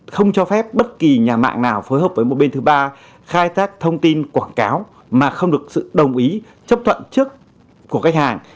không cho phép bất kỳ nhà mạng nào phối hợp với một bên thứ ba khai thác thông tin quảng cáo mà không được sự đồng ý chấp thuận trước của khách hàng